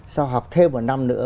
sau học thêm một năm nữa